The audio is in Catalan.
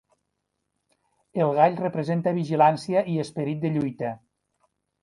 El gall representa vigilància i esperit de lluita.